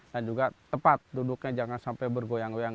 dan juga tepat duduknya jangan sampai bergoyang goyang